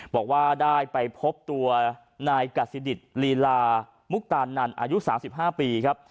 บอกว่าได้ไปพบตัวนายกัสซิดิตลีลามุกตานันอายุ๓๕ปีครับ